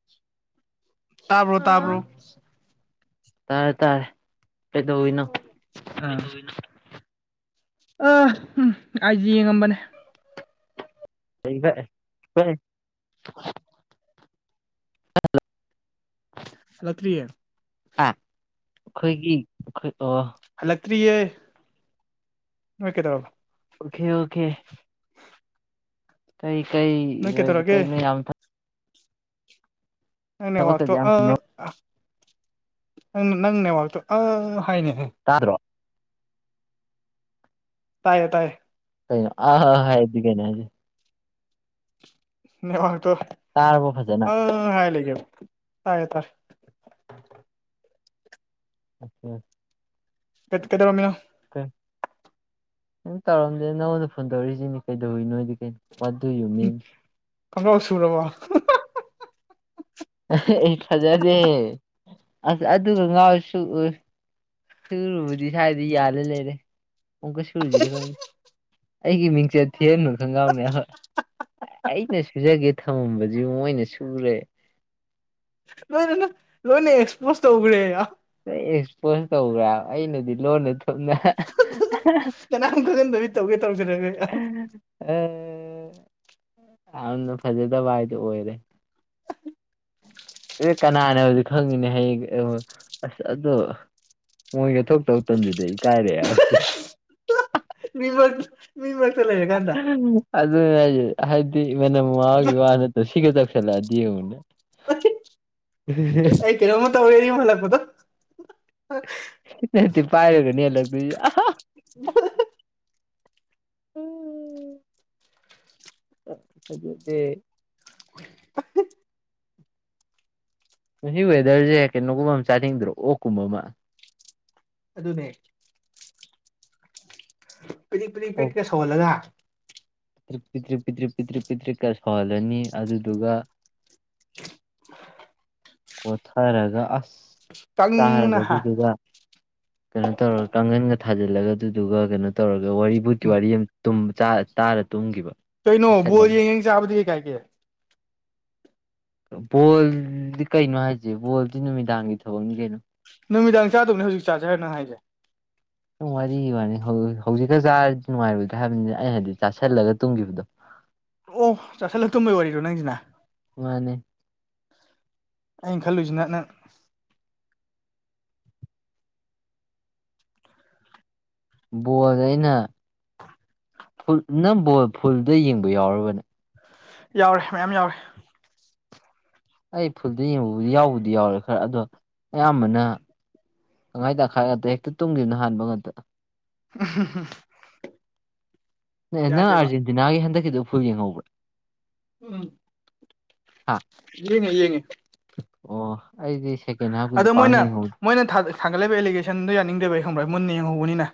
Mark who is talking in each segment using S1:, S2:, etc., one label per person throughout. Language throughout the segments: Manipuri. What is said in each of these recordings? S1: [unintelligible] ꯇꯥꯕ꯭ꯔꯣ ꯇꯥꯕ꯭ꯔꯣ
S2: ꯇꯥꯔꯦ ꯇꯥꯔꯦ ꯀꯩꯗꯧꯅꯣ
S1: ꯑ ꯎꯝ ꯑꯩꯥꯏꯖꯤ ꯌꯦꯡꯉꯝꯕꯅꯦ
S2: ꯐ
S1: ꯍ ꯍꯟꯂꯛꯇ꯭ꯔꯤꯌꯦ
S2: ꯑꯥ ꯑꯩꯈꯣꯏꯒꯤ ꯑꯩꯈꯣꯏ ꯑꯣ
S1: ꯍꯜꯂꯛꯇ꯭ꯔꯤꯌꯦ ꯅꯣꯏ ꯀꯩꯇꯧꯔꯕ
S2: ꯑꯣꯀꯦ ꯑꯣꯀꯦ ꯀꯩ ꯀꯩ
S1: ꯅꯣꯏ ꯀꯩꯗꯧꯔꯒꯦ
S2: ꯀꯩꯅ ꯌꯥꯝ
S1: ꯅꯪꯅꯦ
S2: ꯊꯕꯛꯀꯁꯦ
S1: ꯋꯥꯇꯣ
S2: ꯌꯥꯝ
S1: ꯅꯪꯅꯦ ꯋꯥꯇꯣ ꯑ ꯍꯥꯏꯅꯦꯍꯦ
S2: ꯇꯥꯗ꯭ꯔꯣ
S1: ꯇꯥꯏꯌꯦ ꯇꯥꯏꯌꯦ
S2: ꯀꯣ ꯑ ꯍꯥꯏꯗꯤ ꯀꯩꯅꯣ ꯍꯥꯏꯖꯦ
S1: ꯅ ꯋꯥ ꯇ
S2: ꯇꯥꯔꯕꯣ ꯐꯖꯅ
S1: ꯎ ꯍꯥꯏ ꯂꯩꯀꯦ ꯇꯥꯏ ꯇꯥꯏ
S2: ꯎꯦ
S1: ꯀꯦ ꯀꯦꯗ ꯔꯃꯤꯅꯣ
S2: ꯀ ꯅꯪ ꯇꯧꯔꯝꯗꯦ ꯅꯉꯣꯟꯗ ꯐꯣꯟ ꯇꯧꯔꯛꯏꯁꯤꯅꯤ ꯀꯩꯗꯧꯋꯏꯤ ꯅꯣꯏꯗꯤ ꯃꯗꯨ ꯌꯨ ꯃ
S1: ꯀꯝꯥꯎ ꯁꯨꯔꯕꯣ
S2: ꯑꯩ ꯐꯖꯗꯦ ꯑꯁ ꯑꯗꯨꯒ ꯉꯥꯎ ꯁꯨꯎ ꯁꯨꯔꯨꯕꯗꯤ ꯁꯋꯥꯗꯤ ꯌꯥꯜꯂꯦ ꯂꯩꯔꯦ ꯑꯣꯡꯀ ꯁꯨꯔꯨꯖꯔꯦ ꯈꯪꯦ ꯑꯩꯒꯤ ꯃꯤꯡꯁꯦ ꯊꯦꯅ ꯈꯣꯡꯒ꯭ꯔꯥꯎꯅꯦꯣꯏ ꯑꯩꯅ ꯁꯨꯖꯒꯦ ꯊꯝꯃꯝꯕꯕꯁꯤ ꯃꯣꯏꯅ ꯁꯨꯔꯦ
S1: ꯂꯣꯏꯅꯅ ꯂꯣꯏꯅ ꯑꯦꯛꯁꯄꯣꯖ ꯇꯧꯈ꯭ꯔꯦ
S2: ꯑꯦꯛꯁꯄꯣꯁ ꯇꯧꯕ꯭ꯔꯥꯕ ꯑꯩꯅꯗꯤ ꯂꯣꯟꯅ ꯊꯨꯞꯅ
S1: ꯀꯅꯥꯝ ꯈꯖꯤꯟꯕꯕꯤ ꯇꯧꯒꯦ ꯇꯧꯔꯖꯔꯒꯦ
S2: ꯑꯦ ꯌꯥꯝꯅ ꯐꯖꯗꯕ ꯍꯥꯏꯗꯤ ꯑꯣꯏꯔꯦ ꯑꯦ ꯀꯅꯥꯅꯦ ꯍꯧꯖꯤꯛ ꯈꯪꯉꯤꯅꯦ ꯍꯌꯦꯡ ꯑꯁ ꯑꯗꯣ ꯃꯣꯏꯒꯤ ꯊꯣꯛ ꯇ ꯇꯟꯁꯤꯗ ꯏꯀꯥꯏꯔꯛꯑꯦ
S1: ꯃꯤꯃ ꯃꯤ ꯆ ꯂꯩꯦ [unintelligible]
S2: ꯎ ꯑꯗꯨꯅꯦ ꯍꯥꯏꯕꯗꯤ ꯃꯅꯝ ꯃꯥꯃꯥꯒꯤ ꯋꯥ ꯅꯠꯇ꯭ꯔꯣ ꯁꯤꯒ ꯆꯠꯁ ꯆꯠꯂꯗꯤ ꯎꯟꯅꯦ
S1: ꯑꯩ ꯀꯩꯅꯣꯝꯃ ꯇꯧꯔꯦ ꯌꯨꯝ ꯍꯜꯂꯛꯄꯗꯣ
S2: ꯗꯤ ꯄꯥꯏꯔꯒꯅꯤ ꯂꯩꯕ꯭ꯔꯤꯁꯦ
S1: [unintelligible]
S2: ꯍꯧꯖꯤꯗꯤ ꯃꯁꯤ ꯋꯦꯗꯔꯁꯦ ꯀꯩꯅꯣꯒꯨꯝꯕ ꯑꯃ ꯆꯥꯅꯤꯡꯗ꯭ꯔꯣ ꯑꯣꯛꯀꯨꯝꯕ ꯑꯃ
S1: ꯑꯗꯨꯅꯦ ꯄꯤꯔꯤꯛ ꯄꯤꯗꯤꯛ ꯄꯤꯔꯤꯠꯀ ꯁꯧꯍꯜꯂꯒ
S2: ꯄꯤꯛ ꯄꯤ꯭ꯛ ꯄꯤꯛ ꯄꯤ꯭ꯔꯤꯛ ꯄꯤꯛꯇ꯭ꯔꯤꯛꯀꯔ ꯁꯧꯍꯜꯂꯅꯤ ꯑꯗꯨꯗꯨꯒ ꯀꯣꯊꯔꯒ ꯑꯁ ꯆꯥꯔꯒ
S1: ꯀꯪꯅ ꯍꯥ
S2: ꯑꯗꯨꯗꯨꯒ ꯀꯩꯅꯣ ꯇꯧꯔꯒ ꯀꯥꯡꯈꯟꯒ ꯊꯥꯖꯤꯜꯂꯒ ꯑꯗꯨꯗꯨꯒ ꯀꯩꯅꯣ ꯇꯧꯔꯒ ꯋꯥꯔꯤ ꯕꯨꯠꯀꯤ ꯋꯥꯔꯤ ꯑꯃ ꯇꯥꯔ ꯇꯨꯝꯈꯤꯕ
S1: ꯀꯩꯅꯣ ꯕꯣꯔ
S2: ꯆꯥꯁꯜꯂꯒ
S1: ꯌꯦꯡ ꯌꯦꯡ ꯆꯥꯕꯗꯤ ꯀꯩ ꯀꯥꯏ ꯀꯦ
S2: ꯕꯣꯜꯗꯤ ꯀꯩꯅꯣ ꯍꯥꯏꯁꯦ ꯕꯣꯜꯗꯤ ꯅꯨꯃꯤꯗꯥꯡꯒꯤ ꯊꯕꯛꯅꯤ ꯀꯩꯅꯣ
S1: ꯅꯨꯃꯤꯗꯥꯡ ꯆꯥꯗꯧꯕꯅꯦ ꯍꯧꯖꯤꯛ ꯆꯥꯖꯈꯔ ꯅꯪ ꯍꯥꯏꯁꯦ
S2: ꯋꯥꯔꯤ ꯋꯥꯅꯤ ꯍꯧꯖꯤꯛꯀ ꯆꯥꯔꯗꯤ ꯅꯨꯡꯉꯥꯏꯔꯣꯏꯗ꯭ꯔꯦ ꯍꯥꯏꯕꯅꯤꯅ ꯑꯩꯅ ꯍꯥꯏꯗꯤ ꯆꯥꯥꯁꯜꯂꯒ ꯇꯨꯝꯈꯤꯕꯗꯣ
S1: ꯑꯣ ꯑꯣ ꯆꯥꯁꯤꯜꯂꯛꯇꯕꯩ ꯋꯥꯔꯤꯗꯣ ꯅꯪꯁꯤꯅ
S2: ꯃꯥꯅꯦ
S1: ꯑꯩꯅ ꯈꯜꯂꯨꯁꯤ ꯅ ꯅꯪ
S2: ꯕꯣꯜ ꯑꯩꯅ ꯐꯨꯠꯅ ꯕꯣꯜ ꯐꯨꯜꯗ ꯌꯦꯡꯕ ꯌꯥꯎꯔꯥꯕꯅꯦ
S1: ꯌꯥꯎꯔꯦ ꯃꯌꯥꯝ ꯌꯥꯎꯔꯦ
S2: ꯑꯩ ꯐꯨꯜꯗ ꯌꯦꯡꯕꯕꯨꯗꯤ ꯌꯥꯎꯕꯨꯗꯤ-ꯌꯥꯎꯔꯦ ꯈꯔ ꯑꯗꯣ ꯑꯌꯥꯝꯕꯅ ꯇꯪꯈꯥꯏ-ꯇꯪꯈꯥꯏꯒ ꯍꯦꯛꯇ ꯇꯨꯝꯒꯤꯕꯅ ꯍꯥꯟꯕ ꯉꯥꯛꯇ
S1: [unintelligible]
S2: ꯅꯪ
S1: ꯌꯥꯗꯦꯕ
S2: ꯑꯥꯔꯖꯦꯟꯇꯤꯅꯥꯒꯤ ꯍꯟꯗꯛꯀꯤꯗꯣ ꯐꯨꯜ ꯌꯦꯡꯍꯧꯕ꯭ꯔꯥ
S1: ꯎꯝ
S2: ꯍꯥ
S1: ꯌꯦꯡꯉꯦ-ꯌꯦꯡꯉꯦ
S2: ꯑꯣ ꯑꯩꯗꯤ ꯁꯦ
S1: ꯑꯗꯣ ꯃꯣꯏꯅ-ꯃꯣꯏꯅ ꯊꯥꯡꯒꯠ-ꯊꯥꯡꯂꯛꯏꯕ ꯑꯦꯂꯤꯒꯦꯁꯟꯗꯣ ꯌꯥꯅꯤꯡꯗꯦꯕ ꯑꯩ ꯈꯪꯕ꯭ꯔ ꯃꯨꯟꯅ ꯌꯦꯡꯍꯧꯕꯅꯤꯅ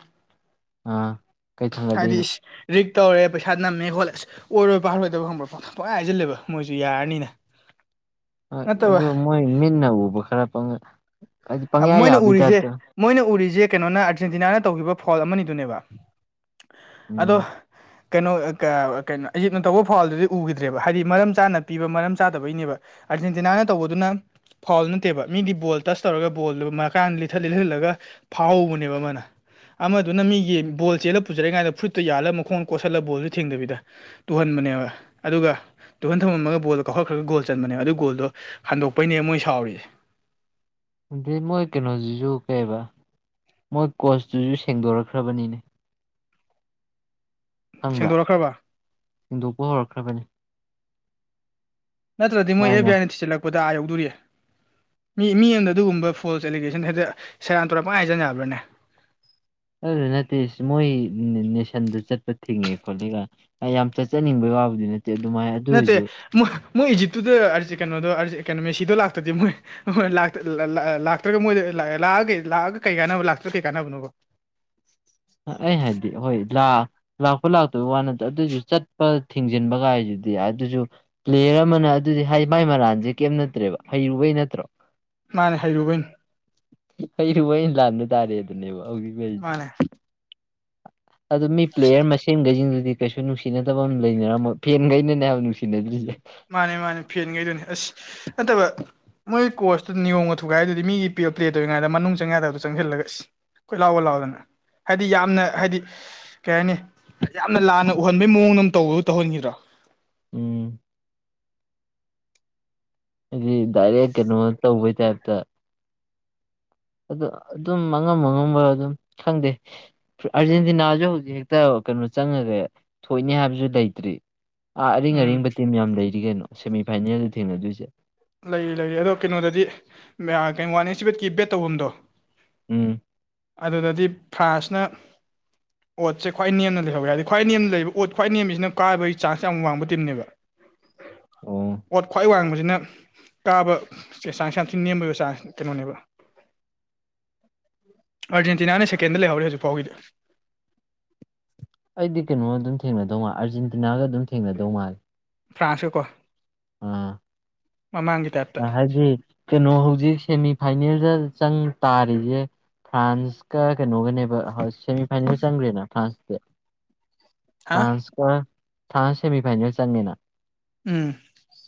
S2: ꯑꯥ ꯀꯩ ꯊꯥꯡꯒꯠꯂꯛꯏꯅꯣ
S1: ꯍꯥꯏꯔꯤꯁꯤ ꯔꯤꯛ ꯇꯧꯔꯦ ꯄꯩꯁꯥ ꯅꯝꯃꯦ ꯈꯣꯠꯂꯦꯁ ꯑꯣꯏꯔꯣꯏꯕꯥꯔꯣꯏꯗꯕ ꯈꯪꯕ꯭ꯔꯥ ꯄꯣ ꯍꯥꯏ ꯍꯥꯏꯁꯤꯜꯂꯦꯕ ꯃꯣꯏꯁꯨ ꯌꯥꯔꯅꯤꯅ
S2: ꯍꯣꯏ
S1: ꯅꯠꯇꯕ
S2: ꯑꯗꯨ ꯃꯣꯏ ꯃꯤꯠꯅ ꯎꯕ ꯈꯔ ꯐꯪꯉ
S1: ꯃꯣꯏꯅ ꯎꯔꯤꯁꯦ ꯃꯣꯏꯅ ꯎꯔꯤꯁꯦ ꯀꯩꯅꯣꯅ ꯑꯔꯖꯦꯟꯇꯤꯅꯥꯅ ꯇꯧꯈꯤꯕ ꯐꯣꯜ ꯑꯃꯅꯤꯗꯨꯅꯦꯕ ꯑꯗꯣ
S2: ꯎꯝ
S1: ꯀꯩꯅꯣ ꯀꯩꯅꯣ ꯏꯖꯤꯠꯅ ꯇꯧꯕ ꯐꯥꯎꯜꯗꯨꯗꯤ ꯎꯈꯤꯗ꯭ꯔꯦꯕ ꯍꯥꯏꯗꯤ ꯃꯔꯝ ꯆꯥꯅ ꯄꯤꯕ ꯃꯔꯝ ꯆꯥꯗꯕꯩꯅꯦꯕ ꯑꯥꯔꯖꯦꯟꯇꯤꯅꯥꯅ ꯇꯧꯕꯗꯨꯅ ꯐꯥꯎꯜ ꯅꯠꯇꯦꯕ ꯃꯤꯗꯤ ꯕꯣꯜ ꯇꯁ ꯇꯧꯔꯒ ꯐꯨꯠꯕꯣꯜꯗꯨ ꯃꯀꯥꯟ ꯂꯤꯊꯠ ꯂꯤꯊꯠꯂꯒ ꯐꯥꯎꯍꯧꯕꯅꯦꯕ ꯑꯃꯅ ꯑꯃꯗꯨꯅ ꯃꯤꯒꯤ ꯕꯣꯜ ꯆꯦꯜꯂ ꯄꯨꯖꯔꯦꯏ ꯀꯥꯏꯗ ꯐꯨꯠꯇꯨ ꯌꯥꯜꯂ ꯃꯈꯣꯡ ꯀꯣꯠꯁꯤꯜꯂ ꯕꯣꯜꯗꯨ ꯊꯦꯡꯗꯕꯤꯗ ꯇꯨꯍꯟꯕꯅꯦꯕ ꯑꯗꯨꯒ ꯇꯨꯍꯟ ꯊꯝꯂꯝꯃꯒ ꯣꯜ ꯀꯥꯎꯈꯠꯂ꯭ꯔꯒꯣꯜ ꯆꯕꯅꯦ ꯑꯗꯨ ꯒꯣꯜꯗꯣ ꯍꯟꯗꯄꯅꯦ ꯃꯣꯏ ꯁꯥꯎꯔꯤꯁꯦ
S2: ꯑꯗꯩ ꯃꯣꯏ ꯀꯩꯅꯣꯁꯤꯁꯨ ꯀꯩꯕ ꯃꯣꯏ ꯀꯣꯆꯇꯨꯁꯨ ꯁꯦꯡꯗꯣꯔꯛꯈ꯭ꯔꯕꯅꯤꯅꯦ ꯈꯪꯕ꯭ꯔꯥ
S1: ꯁꯦꯡꯗꯣꯔꯛꯈ꯭ꯔꯕ
S2: ꯁꯦꯡꯗꯣꯛꯄ ꯍꯧꯔꯛꯈ꯭ꯔꯕꯅꯤ
S1: ꯅꯠꯇ꯭ꯔꯥꯗꯤ ꯃꯣꯏ
S2: ꯃꯥꯏ
S1: ꯑꯦꯐ ꯕꯤ
S2: ꯃꯥꯏ
S1: ꯑꯥꯏꯅ ꯊꯤꯖꯤꯜꯂꯛꯄꯗ ꯑꯥ ꯌꯧꯗꯣꯔꯤ ꯃꯤ-ꯃꯤ ꯑꯃꯅ ꯑꯗꯨꯒꯨꯝꯕ ꯐꯣꯜꯁ ꯑꯦꯂꯤꯒꯦꯁꯟ ꯍꯦꯛꯇ ꯁꯦꯔꯥꯟ ꯇꯨꯔꯥꯟ ꯄꯪꯍꯥꯏ ꯍꯥꯏꯖꯤꯟ ꯌꯥꯕ꯭ꯔꯥꯅꯦ
S2: ꯑꯗꯨꯗꯣ ꯅꯠꯇꯦ ꯃꯣꯏ ꯅꯦ-ꯅꯦꯁꯟꯗ ꯆꯠꯄ ꯊꯤꯡꯉꯦ ꯈꯣꯠꯂꯤꯒ ꯒꯥꯏ ꯑꯌꯥꯝ ꯆꯠꯆꯅꯤꯡꯕꯩ ꯋꯥꯕꯨꯗꯤ ꯅꯠ ꯗꯦ ꯗꯨꯃꯥꯏ
S1: ꯅꯠꯇꯦ ꯃꯣꯏ-ꯃꯣꯏ ꯏꯖꯤꯞꯇꯨꯗ ꯑꯥꯔꯖꯦ ꯀꯩꯅꯣꯗꯣ ꯑꯥꯔꯖꯦ ꯀꯩꯅꯣꯗꯣ ꯃꯦ ꯁꯤꯗꯣ ꯂꯥꯛꯇ꯭ꯔꯥꯗꯤ ꯃꯣꯏ ꯍꯣꯏ ꯂꯥꯛꯇ ꯂꯥ-ꯂꯥ-ꯂꯥꯛ ꯂꯥꯛꯇ꯭ꯔꯥꯒ ꯃꯣꯏꯗ ꯂꯥꯛꯑꯒ ꯀꯩ ꯀꯥꯟꯅꯕ ꯂꯥꯛꯇ꯭ꯔꯥ ꯀꯩ ꯀꯥꯟꯅꯕꯅꯕꯣ
S2: ꯑꯥ ꯑꯩ ꯍꯥꯏꯗꯤ ꯍꯣꯏ ꯂꯥ ꯂꯥꯛꯄ ꯂꯥꯛꯇꯕ ꯋꯥ ꯅꯠꯇ ꯑꯗꯨꯁꯨ ꯆꯠꯄ ꯊꯤꯡꯖꯤꯟꯕ ꯒꯥꯏꯁꯤꯗꯤ ꯑꯗꯨꯁꯨ ꯄ꯭ꯂꯦꯌꯔ ꯑꯃꯅ ꯑꯗꯨꯗꯤ ꯍꯥꯏ ꯃꯥꯏ ꯃꯔꯥꯟꯖꯦ ꯀꯦꯝ ꯅꯠꯇ꯭ꯔꯦꯕ ꯍꯩꯔꯨꯕꯩ ꯅꯠꯇ꯭ꯔꯣ
S1: ꯃꯥꯅꯦ ꯍꯩꯔꯨꯕꯩꯅꯤ
S2: ꯍꯩꯔꯨꯕꯩ ꯑꯩꯅ ꯂꯥꯟꯕ ꯇꯥꯔꯦ ꯑꯗꯨꯅꯦꯕ ꯍꯧꯖꯤꯛ ꯂꯩꯔꯤ
S1: ꯃꯥꯅꯦ
S2: ꯑꯗꯨ ꯃꯤ ꯄ꯭ꯂꯦꯌꯔ ꯃꯁꯦꯟꯒꯩꯁꯤꯡꯗꯨꯗꯤ ꯀꯩꯁꯨ ꯅꯨꯡꯁꯤꯅꯗꯕ ꯑꯃ ꯂꯩꯅꯔꯝꯃꯣꯏ ꯐꯦꯟꯒꯩꯪ ꯅꯅꯦ ꯍꯥꯏꯕ ꯅꯨꯡꯁꯤꯅꯗ꯭ꯔꯤꯖꯦ
S1: ꯃꯥꯅꯦ-ꯃꯥꯅꯦ ꯐꯦꯟꯒꯩꯗꯨꯅꯤ ꯑꯁ ꯅꯠꯇꯕ ꯃꯣꯏ ꯀꯣꯔꯁꯇꯨ ꯅꯤꯌꯣꯝꯒ ꯊꯨꯒꯥꯏꯗꯨꯗꯤ ꯃꯤꯒꯤ ꯄꯤꯌꯣ ꯄ꯭ꯂꯦ ꯇꯧꯔꯤꯉꯥꯏꯗ ꯃꯅꯨꯡ ꯆꯪ ꯌꯥꯗꯕꯗꯣ ꯆꯪꯁꯤꯜꯂꯒ ꯑꯁ ꯀꯣꯏ ꯂꯥꯎꯒ-ꯂꯥꯎꯗꯅ ꯍꯥꯏꯗꯤ ꯌꯥꯝꯅ ꯍꯥꯏꯗꯤ ꯀꯩ ꯍꯥꯏꯅꯤ ꯌꯥꯝꯅ ꯂꯥꯟꯅ ꯎꯍꯟꯕꯩ ꯃꯑꯣꯡꯗ ꯇꯧꯕꯒꯨꯝ ꯇꯧꯍꯟꯈꯤꯗ꯭ꯔꯣ
S2: ꯎꯝ ꯑꯗꯨꯗꯤ ꯗꯔꯌꯥꯛ ꯀꯩꯅꯣ ꯇꯧꯕꯩ ꯇꯥꯏꯞꯇ ꯑꯗꯨ ꯑꯗꯨꯝ ꯑꯉꯝ-ꯑꯉꯝꯕ ꯑꯗꯨꯝ ꯈꯪꯗꯦ ꯑꯥꯔꯖꯦꯟꯇꯤꯅꯥꯖꯨ ꯍꯧꯖꯤꯛ ꯍꯦꯛꯇ ꯀꯥꯅꯣ ꯆꯪꯉꯥꯒꯦ ꯊꯣꯏꯅꯤ ꯍꯥꯏꯕꯖꯨ ꯂꯩꯇ꯭ꯔꯤ ꯑꯥ
S1: ꯎꯝ
S2: ꯑꯔꯤꯡ-ꯑꯔꯤꯡꯕ ꯇꯤꯝ ꯌꯥꯝ ꯂꯩꯔꯤ ꯀꯩꯅꯣ ꯁꯦꯃꯤ ꯐꯥꯏꯅꯦꯜꯗ ꯊꯦꯡꯅꯗꯣꯏꯁꯦ
S1: ꯂꯩꯔꯤ-ꯂꯩꯔꯤ ꯑꯗꯣ ꯀꯩꯅꯣꯗꯗꯤ ꯎꯝ ꯑꯥ ꯀꯩꯋꯥꯟ ꯏꯁ ꯀꯤ ꯕꯦꯠ ꯇꯧꯕꯝꯗꯣ
S2: ꯎꯝ
S1: ꯑꯗꯨꯗꯗꯤ ꯐ꯭ꯔꯥꯟꯁꯅ
S2: [inaudible]
S1: ꯑꯣꯠꯁꯦ ꯈ꯭ꯋꯥꯏ ꯅꯦꯝꯅ ꯂꯩꯍꯧꯋꯦ ꯍꯥꯏꯗꯤ ꯈ꯭ꯋꯥꯏ ꯅꯦꯝꯅ ꯂꯩꯕ ꯑꯣꯠ ꯈ꯭ꯋꯥꯏ ꯅꯦꯝꯃꯤꯁꯤꯅ ꯀꯥꯕꯒꯤ ꯆꯥꯡꯁ ꯌꯥꯝ ꯋꯥꯡꯕ ꯇꯤꯝꯅꯦꯕ
S2: ꯑꯣ
S1: ꯑꯣꯠ ꯈ꯭ꯋꯥꯏ ꯋꯥꯡꯕꯁꯤꯅ ꯀꯥꯕ ꯆꯦ ꯆꯥꯡꯁ ꯌꯥꯝ ꯊꯤꯅ ꯅꯦꯝꯕꯕ ꯆꯥꯡ ꯀꯩꯅꯣꯅꯦꯕ ꯑꯥꯔꯖꯦꯟꯇꯤꯅꯥꯅ ꯁꯦꯀꯦꯟꯗ ꯂꯩꯍꯧꯔꯦ ꯍꯧꯖꯤꯛ ꯐꯥꯎꯒꯤꯗꯤ
S2: ꯑꯩꯗꯤ ꯀꯩꯅꯣ ꯑꯗꯨꯝ ꯊꯦꯡꯅꯗꯧ ꯃꯥꯜꯦ ꯑꯥꯔꯖꯦꯟꯇꯤꯅꯥꯒ ꯑꯗꯨꯝ ꯊꯦꯡꯅꯗꯧ ꯃꯥꯜꯜꯂꯤ
S1: ꯐ꯭ꯔꯥꯟꯁꯀꯀꯣ
S2: ꯑꯥ
S1: ꯃꯃꯥꯡꯒꯤꯇꯥꯞ
S2: ꯍꯥꯏꯗꯤ ꯀꯩꯅꯣ ꯍꯧꯖꯤꯛ ꯁꯦꯃꯤꯐꯥꯏꯅꯦꯜꯗ ꯆꯪ ꯇꯥꯔꯤꯁꯦ ꯐ꯭ꯔꯥꯟꯁ ꯀ ꯀꯩꯅꯣꯒꯅꯦꯕ ꯁꯦꯃꯤꯐꯥꯏꯅꯦꯜ ꯆꯪꯈ꯭ꯔꯦꯅ ꯐ꯭ꯔꯥꯟꯁꯁꯦ
S1: ꯍꯥ
S2: ꯐ꯭ꯔꯥꯟꯁ ꯊꯥ ꯁꯦꯃꯤ ꯐꯥꯏꯅꯦꯜ ꯆꯪꯉꯦꯅ
S1: ꯎꯝ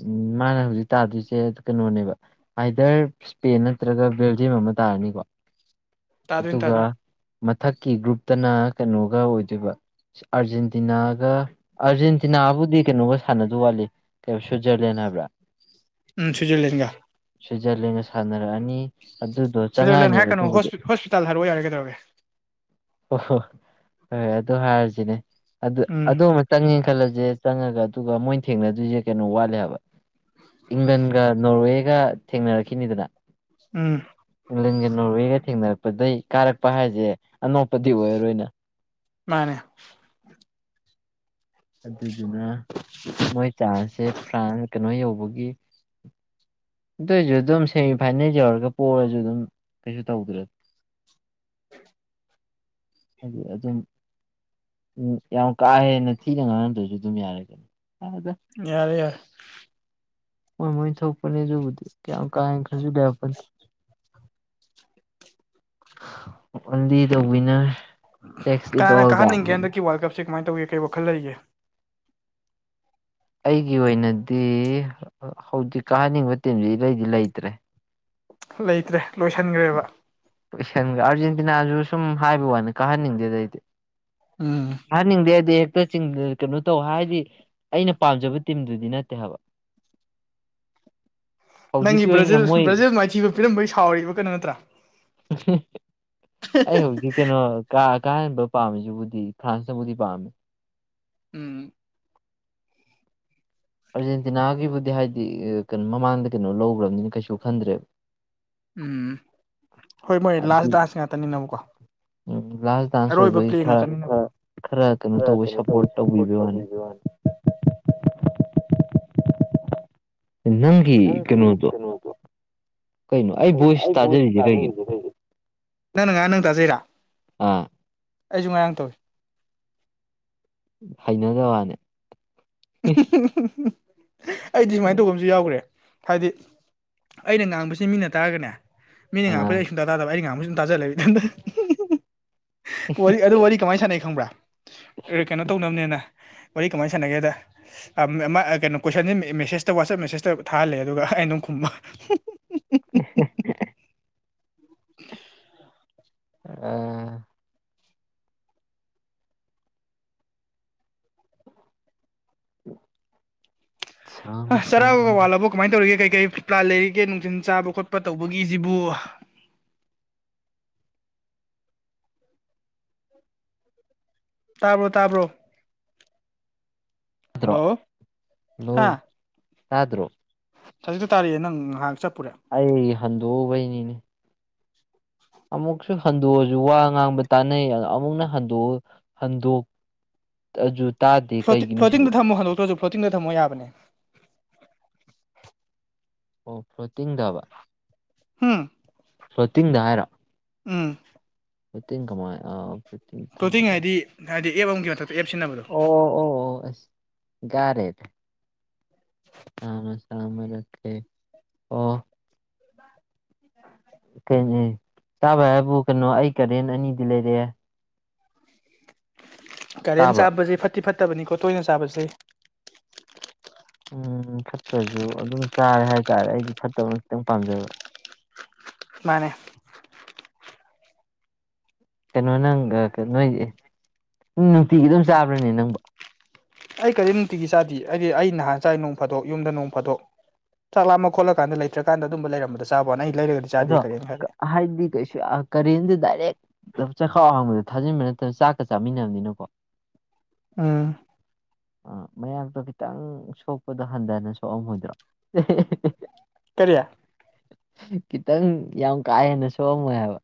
S2: ꯎꯝ ꯃꯥꯅꯤ ꯍꯧꯖꯤꯛ ꯇꯥꯗꯣꯏꯁꯤ ꯀꯩꯅꯣꯅꯦꯕ ꯑꯥꯏꯗꯔ ꯏꯁꯄꯦꯟ ꯅꯠꯇ꯭ꯔꯥꯒ ꯕꯦꯜꯖꯤꯌꯝ ꯑꯃ ꯇꯥꯔꯥꯅꯤꯀꯣ
S1: ꯇꯥꯗꯣꯏꯅꯤ
S2: ꯑꯗꯨꯒ
S1: ꯇꯥꯗꯣꯏꯅꯤ
S2: ꯃꯊꯛꯀꯤ ꯒ꯭ꯔꯨꯞꯇꯅ ꯀꯩꯅꯣꯒ ꯑꯣꯏꯗꯨꯏꯕ ꯑꯥꯔꯖꯦꯟꯇꯤꯅꯥꯒ-ꯑꯦꯔꯖꯦꯟꯇꯤꯅꯥꯕꯨꯗꯤ ꯀꯩꯅꯣꯒ ꯁꯥꯟꯅꯗꯧ ꯋꯥꯠꯂꯤ ꯀꯩꯕ ꯁ꯭ꯋꯤꯠꯖ꯭ꯔꯂꯦꯟ ꯍꯥꯏꯕ꯭ꯔꯥ
S1: ꯎꯝ ꯁ꯭ꯋꯤꯠꯖ꯭ꯔꯂꯦꯟꯒ
S2: ꯁ꯭ꯋꯤꯠꯖ꯭ꯔꯂꯦꯟꯒ ꯁꯥꯟꯅꯔꯛꯑꯅꯤ ꯑꯗꯨꯗꯣ
S1: ꯁ꯭ꯋꯤꯖꯔꯂꯦꯟ
S2: ꯆꯪꯉꯛꯑꯅꯦꯕ
S1: ꯍꯥꯏꯔꯛꯀꯅꯣ
S2: ꯑꯗꯨꯕꯨꯗꯤ
S1: ꯍꯣꯁꯄꯤ ꯍꯣꯁꯄꯤꯇꯥꯜ ꯍꯥꯏꯔꯛꯑꯣ ꯌꯥꯔꯦ ꯀꯩꯗꯧꯔꯒꯦ
S2: ꯑꯣ ꯍꯣ ꯑꯣꯏ ꯑꯗꯨ ꯍꯥꯏꯔꯁꯤꯅꯦ
S1: ꯎꯝ
S2: ꯑꯗꯨ-ꯑꯗꯨ ꯃꯥ ꯆꯪꯉꯦ ꯈꯜꯂꯖꯦ ꯆꯪꯉꯒ ꯑꯗꯨꯒ ꯃꯣꯏꯅ ꯊꯦꯡꯅꯗꯣꯏꯁꯤ ꯀꯩꯅꯣ ꯋꯥꯠꯂꯤ ꯍꯥꯏꯕ ꯏꯪꯂꯟꯒ ꯅꯣꯔꯋꯦꯒ ꯊꯦꯡꯅꯔꯛꯈꯤꯅꯤꯗꯅ
S1: ꯎꯝ
S2: ꯏꯪꯂꯦꯟꯒ ꯅꯣꯔꯋꯦꯒ ꯊꯦꯡꯅꯔꯛꯄꯗꯒꯤ ꯀꯥꯔꯛꯄ ꯍꯥꯏꯁꯦ ꯑꯅꯣꯞꯄꯗꯤ ꯑꯣꯏꯔꯔꯣꯏꯅ
S1: ꯃꯥꯅꯦ
S2: ꯑꯗꯨꯗꯨꯅ ꯃꯣꯏ ꯆꯥꯟꯔꯁꯦ ꯐ꯭ꯔꯥꯟ ꯀꯩꯅꯣ ꯌꯧꯕꯒꯤ ꯑꯗꯨꯏꯁꯨ ꯑꯗꯨꯝ ꯁꯦꯃꯤꯐꯥꯏꯅꯦꯜ ꯌꯧꯔꯒ ꯄꯔꯁꯨ ꯑꯗꯨꯝ ꯀꯩꯁꯨ ꯇꯧꯗ꯭ꯔ ꯍꯥꯏꯗꯤ ꯑꯗꯨꯝ ꯎꯝ ꯌꯥꯝ ꯀꯥ ꯍꯦꯟꯅ ꯊꯤꯅ ꯉꯥꯡꯅꯝꯗ꯭ꯔꯁꯨ ꯑꯗꯨꯝ ꯌꯥꯔꯦꯒꯅꯤ
S1: ꯌꯥꯔꯦ ꯌꯥ
S2: ꯍꯣꯏ ꯃꯣꯏ ꯊꯣꯛꯄꯅꯦꯑꯗꯨꯕꯨꯗꯤ ꯀꯌꯥꯝ ꯀꯥꯥꯏ ꯍꯦ ꯈꯥꯟꯖꯤꯟꯕ ꯌꯥꯄꫭꯟꯇꯦ only the winner takes it all
S1: ꯁꯤ ꯀꯃꯥꯏ ꯇꯧꯒꯦ ꯀꯩ ꯋꯥꯈꯜ ꯂꯩꯒꯦ
S2: ꯑꯩꯒꯤ ꯑꯣꯏꯅꯗꯤ ꯍꯧꯖꯤꯛ ꯀꯥꯍꯟꯅꯤꯡꯕ ꯇꯤꯝꯁꯤ ꯏꯔꯩꯗꯤ ꯂꯩꯇ꯭ꯔꯦ
S1: ꯂꯩꯇ꯭ꯔꯦ ꯂꯣꯏꯁꯤꯟꯈ꯭ꯔꯦꯕ
S2: ꯀꯣꯏꯁꯟꯒ ꯑꯥꯔꯖꯦꯟꯇꯤꯅꯥꯁꯨ ꯁꯨꯝ ꯍꯥꯏꯕ ꯋꯥꯅꯤ ꯀꯥꯍꯟꯅꯤꯡꯗꯦ ꯑꯩꯗꯤ
S1: ꯎꯝ
S2: ꯀꯥꯍꯟꯅꯤꯡꯗꯦꯗꯤ ꯀꯩꯅꯣ ꯇꯧ ꯍꯥꯏꯔꯗꯤ ꯑꯩꯅ ꯄꯥꯝꯖꯕ ꯇꯤꯝꯗꯨꯗꯤ ꯅꯠꯇꯦ ꯍꯥꯏꯕ
S1: ꯅꯪꯒꯤ
S2: ꯍꯧꯖꯤꯛꯀꯤ ꯑꯣꯏꯅ
S1: ꯕ꯭ꯔꯥꯖꯤꯜ
S2: ꯃꯣꯏ
S1: ꯕ꯭ꯔꯥꯖꯤꯜ ꯃꯥꯏꯊꯤꯕ ꯄꯤꯔꯝꯕꯒꯤ ꯁꯥꯎꯔꯤꯕ ꯀꯩꯅꯣ ꯅꯠꯇ꯭ꯔꯥ
S2: ꯎ ꯑꯩ ꯍꯧꯖꯤꯛ ꯀꯩꯅꯣ ꯀꯥ ꯀꯥꯍꯦꯟꯕ ꯄꯥꯝꯃꯤꯁꯤꯕꯨꯗꯤ ꯐ꯭ꯔꯥꯟꯁꯅꯕꯨꯗꯤ ꯄꯥꯝꯃꯦ
S1: ꯎꯝ
S2: ꯑꯥꯔꯖꯦꯟꯇꯤꯅꯥꯒꯤꯕꯨꯗꯤ ꯍꯥꯏꯗꯤ ꯀꯩꯅꯣ ꯃꯃꯥꯡꯗ ꯀꯩꯅꯣ ꯂꯧꯈ꯭ꯔꯕꯅꯤꯅ ꯀꯩꯁꯨ ꯈꯟꯗ꯭ꯔꯦꯕ
S1: ꯎꯝ ꯍꯣꯏ ꯃꯣꯏ ꯂꯥꯁ ꯗꯥꯟꯁ ꯉꯥꯛꯇꯅꯤꯅꯕꯀꯣ
S2: ꯎ ꯂꯥꯁ ꯗꯥꯟꯁ
S1: ꯑꯔꯣꯏꯕ
S2: ꯑꯣꯏꯕꯒꯤ
S1: ꯄ꯭ꯂꯦ
S2: ꯈꯔ
S1: ꯉꯥꯛꯇꯅꯤꯅꯕ
S2: ꯈꯔ ꯀꯩꯅꯣ ꯇꯧꯕ ꯁꯞꯄꯣꯔꯠ ꯇꯧꯕꯤꯕꯩ ꯋꯥꯅꯤ ꯅꯪꯒꯤ ꯀꯩꯅꯣꯗꯣ ꯀꯩꯅꯣ ꯑꯩ ꯚꯣꯏꯁ ꯇꯥꯖꯔꯤꯁꯦ ꯀꯔꯤꯒꯤꯅꯣ
S1: ꯅꯪ ꯅꯉꯥꯏ ꯅꯪ ꯇꯥꯖꯩꯔꯥ ꯑꯩꯁꯨ ꯉꯔꯥꯡ ꯇꯧꯏ
S2: ꯍꯩꯅꯖ ꯋꯥꯅꯦ
S1: ꯑꯩꯗꯤ ꯁꯨꯃꯥꯏꯅ ꯇꯧꯕ ꯑꯃꯁꯨ ꯌꯥꯎꯈ꯭ꯔꯦ ꯍꯥꯏꯗꯤ ꯑꯩꯅ ꯉꯥꯡꯕꯁꯤ ꯃꯤꯅ ꯇꯥꯔꯒꯅꯦ ꯃꯤꯅ
S2: ꯑꯥ
S1: ꯉꯥꯡꯉꯛꯄꯁ ꯑꯩ ꯁꯨꯡꯇꯥ ꯇꯥꯗꯕ ꯑꯩ ꯉꯥꯕ ꯁ ꯑꯗꯨꯨꯝ ꯇꯥꯖꯜꯂꯦ ꯏꯊꯟꯗ ꯋꯥꯔꯤ ꯑꯗꯨ ꯋꯥꯔꯤ ꯀꯃꯥꯏꯅ ꯁꯥꯟꯅꯩ ꯈꯪꯕ꯭ꯔꯥ ꯀꯩꯅꯣ ꯇꯧꯅꯕꯅꯦꯅ ꯋꯥꯔꯤ ꯀꯃꯥꯏꯅ ꯁꯥꯟꯅꯒꯦꯗ ꯀꯩꯅꯣ ꯀꯣꯏꯁꯟꯁꯦ ꯃꯦꯁꯦꯁꯇ ꯋꯥꯆꯞ ꯃꯦꯁꯦꯁꯇ ꯊꯥꯍꯜꯂꯦ ꯑꯗꯨꯒ ꯑꯩꯩꯅ ꯗꯨꯝ ꯈꯨꯝꯕ
S2: ꯑꯦ ꯍꯦꯍꯦ
S1: ꯎꯍꯥ
S2: ꯑꯥ ꯁꯝ
S1: ꯑꯥ
S2: ꯁꯝ
S1: ꯆꯔꯥꯒ ꯋꯥꯠꯂꯕꯣ ꯀꯃꯥꯏ ꯇꯧꯔꯤꯒꯦ ꯀꯩ ꯀꯩ ꯐꯠ ꯄ꯭ꯂꯥꯥꯟ ꯂꯩꯔꯤꯒꯦ ꯅꯨꯡꯊꯤꯟ ꯆꯥꯕ ꯈꯣꯠꯄ ꯇꯧꯕꯒꯤꯁꯤꯕꯨ ꯇꯥꯕ꯭ꯔꯣ ꯇꯥꯕ꯭ꯔꯣ
S2: ꯗ꯭ꯔꯣ
S1: ꯍꯜꯂꯣ
S2: ꯍꯜꯂꯣ ꯇꯥꯗ꯭ꯔꯣ
S1: ꯖꯤꯛꯇ ꯇꯥꯔꯛꯑꯦ ꯅꯪ ꯉꯥꯏꯍꯥꯛ ꯆꯠꯄꯨꯔꯦ
S2: ꯑꯩ ꯍꯟꯗꯣꯛꯎꯕꯩꯅꯤꯅꯦ ꯑꯃꯨꯛꯁꯨ ꯍꯟꯗꯣꯛꯑꯁꯨ ꯋꯥ ꯉꯥꯡꯕ ꯇꯥꯅꯩ ꯑꯗꯣ ꯑꯃꯨꯛ ꯑꯗꯨ ꯇꯥꯗꯦ ꯀꯩꯒꯤꯅꯣ ꯁꯤꯕꯨ
S1: [unintelligible] ꯁ꯭ꯂꯣꯇꯤꯡꯗ ꯊꯝꯃꯣ ꯌꯥꯕꯅꯦ
S2: ꯑꯣ ꯐ꯭ꯂꯣꯇꯤꯡꯗꯕ
S1: ꯎꯝ
S2: ꯐꫭꯜ ꯇꯤꯡꯗ ꯍꯥꯏꯔꯥ
S1: ꯎꯝ
S2: ꯐꫭꯜꯇꯤꯡ ꯀꯃꯥꯏ ꯑꯥ
S1: ꯐꫭꯜꯇꯤꯡ ꯍꯥꯏꯗꯤ ꯍꯥꯏꯗꯤ ꯑꯦꯞ ꯑꯃꯒꯤ ꯃꯊꯛꯇ ꯑꯦꯞ ꯁꯤꯖꯤꯟꯅꯕꯗꯣ
S2: ꯑꯣ ꯑꯣ ꯑꯣ ꯑꯁ ꯒꯥꯔꯦꯗ
S1: ꯁꯤꯍ
S2: ꯑ ꯆꯃꯔꯀꯦ ꯑꯣ
S1: ꯎꯄꯥꯛ
S2: ꯀꯩꯅꯤ ꯆꯥꯕ ꯍꯥꯏꯕꯨ ꯀꯩꯅꯣ ꯑꯩ ꯀꯔꯦꯟ ꯑꯅꯤꯗꯤ ꯂꯩꯔꯦ
S1: ꯀꯔꯦꯟ
S2: ꯇꯥꯕ꯭ꯔꯣ
S1: ꯆꯥꯕꯁꯦ ꯐꯠꯇꯤ ꯐꯠꯇꯕꯅꯤꯀꯣ ꯇꯣꯏꯅ ꯆꯥꯕꯁꯤ
S2: ꯎꯨꯝ ꯐꯠꯇ꯭ꯔꯁꯨ ꯑꯗꯨꯝ ꯆꯥꯔꯦ ꯍꯥꯏꯇꯥꯔꯦ ꯑꯩꯗꯤ ꯐꯠꯇꯕꯅ ꯈꯤꯇꯪ ꯄꯥꯝꯖꯕ
S1: ꯃꯥꯅꯦ
S2: ꯀꯩꯅꯣ ꯅꯪ ꯅꯣꯏꯁꯦ ꯅꯨꯡꯇꯤꯒꯤ ꯑꯗꯨꯝ ꯆꯥꯕ꯭ꯔꯅꯦ ꯅꯪꯕꯨ
S1: ꯑꯩ ꯀꯔꯤ ꯅꯨꯡꯇꯤꯒꯤ ꯆꯥꯗꯦ ꯑꯩꯗꯤ ꯑꯩ ꯅꯍꯥꯟ ꯆꯥꯏ ꯅꯣꯡ ꯐꯥꯗꯣꯛ ꯌꯨꯝꯗ ꯅꯣꯡ ꯐꯥꯗꯣꯛ ꯆꯥꯛ ꯂꯥꯝꯃ ꯈꯣꯠꯂꯀꯥꯟꯗ ꯂꯩꯇ꯭ꯔꯀꯥꯟꯗ ꯑꯗꯨꯝꯕ ꯂꯩꯔꯝꯕꯗ ꯆꯥꯕꯅ ꯑꯩ ꯂꯩꯔꯒ
S2: ꯑꯗꯣ ꯀ ꯍꯥꯏꯗꯤ ꯀꯩꯁꯨ ꯀꯔꯦꯟꯗꯤ ꯗꯥꯏꯔꯦꯛ ꯆꯈꯥꯎ ꯍꯥꯡꯕꯗ ꯊꯥꯖꯤꯟꯕ ꯅꯠꯇꯕ ꯆꯥꯛꯀ ꯆꯥꯃꯤꯟꯅꯕꯅꯤꯅꯀꯣ [inaudible]
S1: ꯎꯝ
S2: ꯑ ꯃꯌꯥꯛꯇꯣ ꯈꯤꯇꯪ ꯁꯣꯛꯄꯗꯣ ꯍꯟꯊꯅ ꯁꯣꯛꯑꯝꯃꯣꯏꯗ꯭ꯔꯣ [unintelligible]
S1: ꯀꯔꯤ
S2: ꯈꯤꯇꯪ ꯌꯥꯝ ꯀꯥ ꯍꯦꯟꯅ ꯁꯣꯛꯑꯝꯃꯣꯏ ꯍꯥꯏꯕ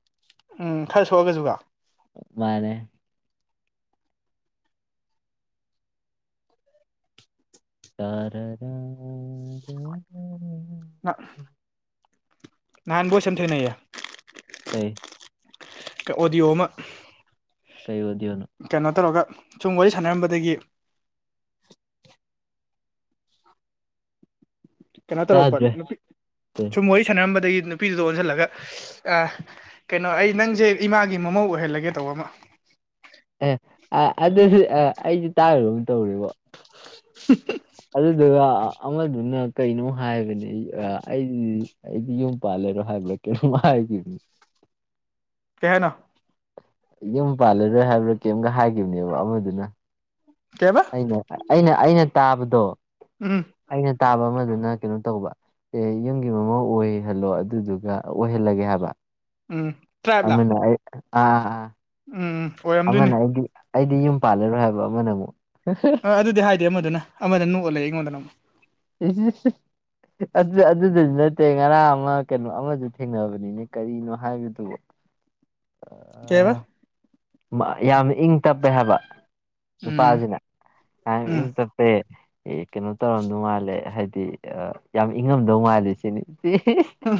S1: ꯎꯝ ꯈꯔ ꯁꯣꯛꯑꯒꯁꯨꯨꯀꯣ
S2: ꯃꯥꯟꯅꯦ ꯇꯥꯔꯔ
S1: ꯑꯥ ꯅꯍꯥꯟ ꯕꯣꯏꯁ ꯑꯝ ꯊꯦꯡꯅꯩꯌꯦ
S2: ꯀꯩ
S1: ꯀ ꯑꯣꯗꯤꯑꯣ ꯑꯃꯥ
S2: ꯀꯩ ꯑꯣꯗꯤꯌꯣꯅꯣ
S1: ꯀꯩꯅꯣ ꯇꯧꯔꯒ ꯁꯨꯝ ꯋꯥꯔꯤ ꯁꯥꯟꯅꯔꯝꯕꯗꯒꯤ ꯀꯩꯅꯣ ꯇꯧꯔꯛꯄ
S2: ꯇꯥꯗ꯭ꯔꯦ
S1: ꯅꯨꯄꯤ
S2: ꯀꯩ
S1: ꯁꯨꯝ ꯋꯥꯔꯤ ꯁꯥꯟꯅꯔꯝꯕꯗꯒꯤ ꯅꯨ ꯅꯨꯄꯤꯗꯨꯗꯣ ꯑꯣꯟꯁꯤꯜꯂꯒ ꯑ ꯀꯩꯅꯣ ꯑꯩ ꯅꯪꯁꯦ ꯏꯃꯥꯒꯤ ꯃꯃꯧ ꯑꯣꯏꯍꯜꯂꯒꯦ ꯇꯧꯕ ꯑꯃ
S2: ꯑꯦ ꯑ ꯑꯗꯨꯗꯤ ꯑꯩꯁꯨ ꯇꯥꯈꯔꯒꯨꯝ ꯇꯧꯔ‌ꯦꯕꯣ
S1: [unintelligible]
S2: ꯑꯗꯨꯗꯨꯒ ꯑꯃꯗꯨꯅ ꯀꯩꯅꯣ ꯍꯥꯏꯕꯅꯤ ꯑ ꯑ ꯑꯩ ꯑꯩꯗꯤ ꯌꯨꯝ ꯄꯥꯜꯂꯔꯣꯏ ꯍꯥꯏꯕ꯭ꯔ ꯀꯩꯅꯣꯃ ꯍꯥꯏꯕꯅꯤ
S1: ꯀꯩ ꯍꯥꯏꯅ‌ꯣ
S2: ꯌꯨꯝ ꯄꯥꯜꯂꯔꯣꯏ ꯍꯥꯏꯕ꯭ꯔꯥ ꯀꯩꯝꯒ ꯍꯥꯏꯈꯤꯕꯅꯦꯕ ꯑꯃꯗꯨꯅ
S1: ꯀꯩꯕ
S2: ꯑꯩꯅ ꯑꯩꯅ ꯑꯩꯅ ꯇꯥꯕꯗꯣ
S1: ꯎꯝ
S2: ꯑꯩꯅ ꯇꯥꯕ ꯑꯃꯗꯨꯅ ꯀꯩꯅꯣ ꯇꯧꯕ ꯑꯦ ꯌꯨꯝꯒꯤ ꯃꯃꯧ ꯑꯣꯏꯍꯜꯂꯣ ꯑꯗꯨꯗꯨꯒ ꯑꯣꯏꯍꯜꯂꯒꯦ ꯍꯥꯏꯕ
S1: ꯎꯝ ꯇ꯭ꯔꯥꯏꯕꯂꯥ
S2: ꯑꯃꯅ ꯑꯩ ꯑ ꯑ
S1: ꯎꯝ ꯑꯣꯏꯔꯝꯗꯣꯏꯅꯤ
S2: ꯑꯃꯅ ꯑꯩꯒꯤ ꯑꯩꯗꯤ ꯌꯨꯝ ꯄꯥꯜꯂꯔꯣꯏ ꯍꯥꯏꯕ ꯑꯃꯅ ꯑꯃꯨꯛ
S1: ꯑꯗꯨꯗꯤ ꯍꯥꯏꯗ‌ꯦ ꯑꯃꯗꯨꯅ ꯑꯃꯗ ꯅꯣꯛꯑ ꯂꯩ ꯑꯩꯉꯣꯟꯗꯅ ꯃꯨꯛ
S2: [unintelligible] ꯑꯗꯨ ꯑꯗꯨꯗꯁꯨ ꯅꯠ ꯑꯇꯩ ꯉꯔꯥꯡ ꯑꯃ ꯀꯩꯅꯣ ꯑꯃꯁꯨ ꯊꯦꯡꯅꯕꯅꯤꯅꯦ ꯀꯔꯤꯅꯣ ꯍꯥꯏꯕꯗꯨꯕꯨ
S1: ꯀꯩꯕ
S2: ꯌꯥꯝ ꯏꯪ ꯇꯞꯄꯦ ꯍꯥꯏꯕ
S1: ꯎꯝ
S2: ꯅꯨꯄꯥꯁꯤꯅ ꯌꯥꯝ
S1: ꯎꯝ
S2: ꯏꯪ ꯇꯞꯄ ꯄ‌ꯦ ꯑꯦ ꯀꯩꯅꯣ ꯇꯧꯔꯝꯗꯧ ꯃꯥꯜꯂꯦ ꯍꯥꯏꯗꯤ ꯌꯥꯝ ꯏꯪꯉꯝꯗꯧ ꯃꯥꯜꯂꯦ ꯁꯤꯅꯤ ꯁꯤꯁ